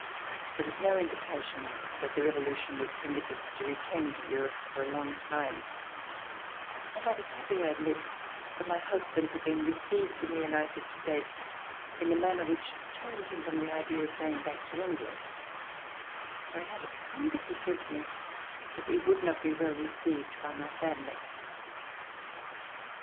There was no indication that the Revolution would i)ermit us to return to Europe for a long time, and I was happy, I admit, that my husband had been received in the United States in a manner which turned him from the idea of going back to England, where I had a kind of presentiment that we would not be well received by my family.